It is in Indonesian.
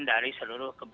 dari seluruh kebun